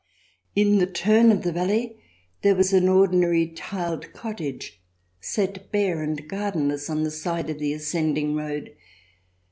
In the turn of the valley there was an ordinary tiled cottage, set bare and gardenless on the side of the ascending road.